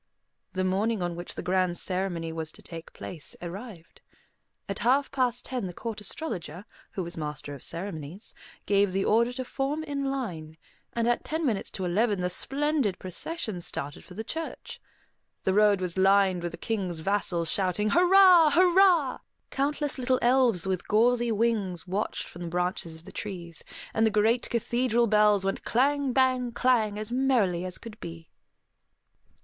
The morning on which the grand ceremony was to take place arrived. At half past ten the Court Astrologer, who was master of ceremonies, gave the order to form in line; and at ten minutes to eleven the splendid procession started for the church. The road was lined with the King's vassals shouting, "Hurrah, hurrah!" Countless little elves with gauzy wings watched from the branches of the trees; and the great cathedral bells went clang, bang, clang, as merrily as could be.